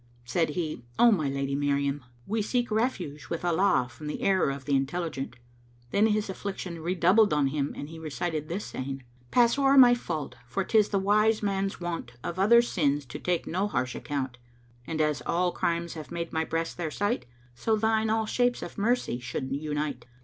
Said he, "O my lady Miriam, we seek refuge with Allah from the error of the intelligent!"[FN#521] Then his affliction redoubled on him and he recited this saying,[FN#522] "Pass o'er my fault, for 'tis the wise man's wont Of other's sins to take no harsh account; And as all crimes have made my breast their site, So thine all shapes of mercy should unite.